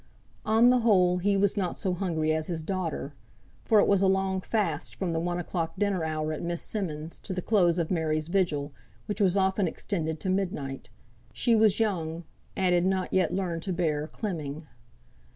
On the whole he was not so hungry as his daughter. For it was a long fast from the one o'clock dinner hour at Miss Simmonds' to the close of Mary's vigil, which was often extended to midnight. She was young, and had not yet learned to bear "clemming."